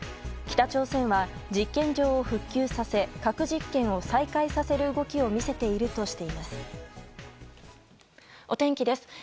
北朝鮮は実験場を復旧させ核実験を再開させる動きを見せているとしています。